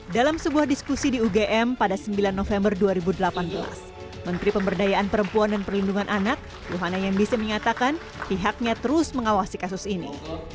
dalam sebuah diskusi di ugm pada sembilan november dua ribu delapan belas menteri pemberdayaan perempuan dan perlindungan anak luhana yembisi menyatakan pihaknya terus mengawasi kasus ini